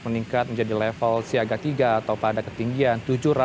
meningkat menjadi level siaga tiga atau pada ketinggian tujuh ratus sembilan puluh